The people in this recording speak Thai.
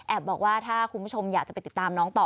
บอกว่าถ้าคุณผู้ชมอยากจะไปติดตามน้องต่อ